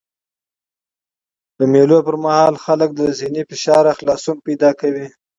د مېلو پر مهال خلک له ذهني فشار خلاصون مومي.